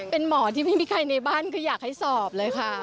เป็นหมอที่ไม่มีใครในบ้านคืออยากให้สอบเลยค่ะ